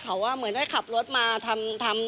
เขาเหมือนกับขับรถมา